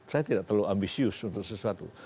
saya tidak terlalu ambisius untuk sesuatu